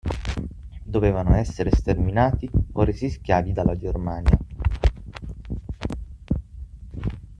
Dovevano essere sterminati o resi schiavi dalla Germania.